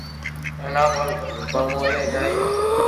ھين اپ ھارو ڀلو ڪوم ھوئي جائي